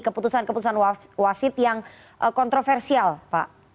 keputusan keputusan wasit yang kontroversial pak